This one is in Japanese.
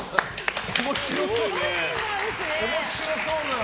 面白そう。